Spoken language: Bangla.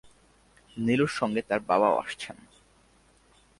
নীলুর সঙ্গে তার বাবাও আসছেন।